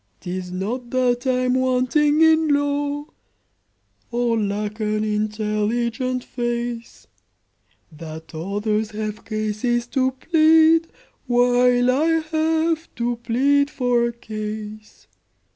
"'Tis not that I'm wanting in law, Or lack an intelligent face, That others have cases to plead, While I have to plead for a case.